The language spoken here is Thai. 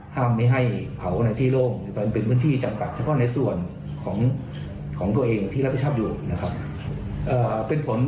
ห้ามไม่ให้เผาในที่โล่งเป็นพื้นที่จำกัดเฉพาะในส่วนของตัวเองที่รับพิชาประโยชน์